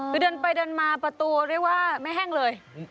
คือเดินไปเดินมาประตูเรียกว่าไม่แห้งเลย